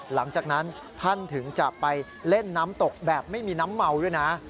หลังจากนั้นท่านถึงจะไปเล่นน้ำตกแบบไม่มีน้ำเมาด้วยนะ